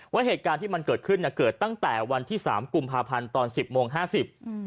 ว่าเหตุการณ์ที่มันเกิดขึ้นน่ะเกิดตั้งแต่วันที่สามกุมภาพันธ์ตอนสิบโมงห้าสิบอืม